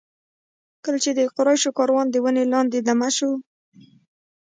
کله چې د قریشو کاروان د ونې لاندې دمه شو.